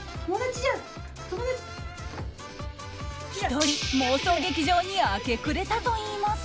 １人、妄想劇場に明け暮れたといいます。